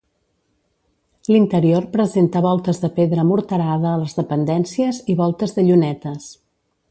L'interior presenta voltes de pedra morterada a les dependències i voltes de llunetes.